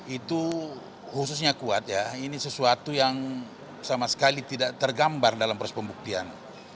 itu khususnya kuat ya ini sesuatu yang sama sekali tidak tergambar dalam proses pembuktian